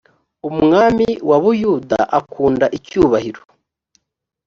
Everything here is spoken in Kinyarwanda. umwami wa buyuda akunda icyubahiro.